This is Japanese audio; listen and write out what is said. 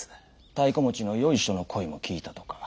太鼓持ちのよいしょの声も聞いたとか。